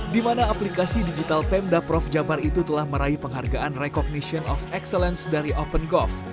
di mana aplikasi digital pemda prof jabar itu telah meraih penghargaan recognition of excellence dari open golf